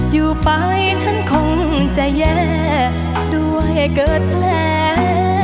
อยู่ไปฉันคงจะแย่ด้วยเกิดแผล